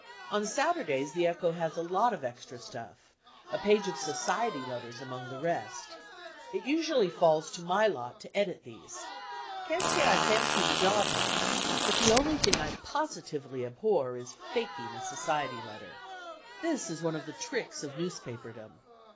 On Saturdays the Echo has a lot of extra siuflf, a page of 'society leners' among the rest. It usually falls tt> my lot to edit these. Can't say I fancy the job much, but the only thing I positively abhor is 'faking' a society lener. This is one of the tricks of newspaperdom.